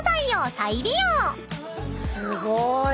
すごーい！